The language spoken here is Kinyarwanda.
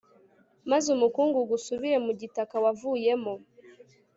maze umukungugu usubire mu gitaka wavuyemo